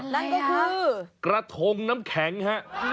นั่นก็คือกระทงน้ำแข็งฮะ